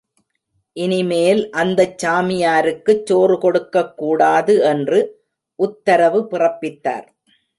இனி மேல் அந்தச் சாமியாருக்குச் சோறு கொடுக்கக்கூடாது என்று உத்தரவு பிறப்பித்தார்.